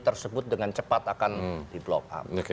tersebut dengan cepat akan di block up